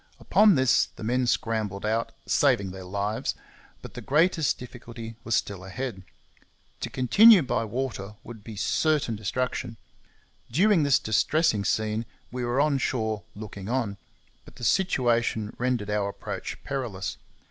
Upon this the men scrambled out, saving their lives; but the greatest difficulty was still ahead. To continue by water would be certain destruction. During this distressing scene we were on shore looking on; but the situation rendered our approach perilous.